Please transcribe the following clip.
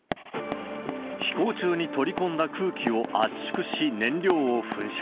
飛行中に取り込んだ空気を圧縮し燃料を噴射。